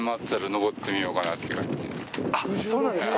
そうなんですか。